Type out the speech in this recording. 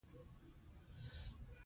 له سختو تباهیو وروسته زموږ زړورو پوځیانو.